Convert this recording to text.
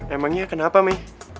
emangnya kenapa me